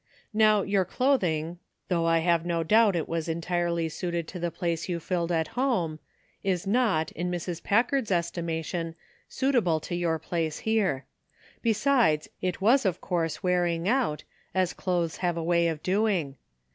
Now your clothing, though I have no doubt it was entirely suited to the j)lace you filled a home, is not, in Mrs. Packard's estimation, suitable for your place here. Besides, it was of course wearing out, as clothes have a way of doing.